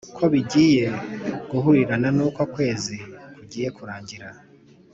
ko bigiye guhurirana nuko ukwezi kugiye kurangira